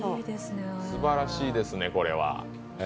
すばらしいですね、これは。